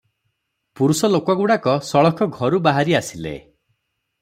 ପୁରୁଷ ଲୋକଗୁଡ଼ିକ ସଳଖ ଘରୁ ବାହାରି ଆସିଲେ ।